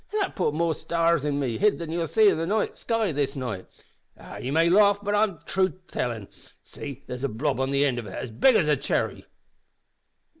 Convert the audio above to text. that putt more stars in me hid than you'll see in the sky this night. Ah! ye may laugh, but it's truth I'm tellin'. See, there's a blob on the ind of it as big as a chirry!"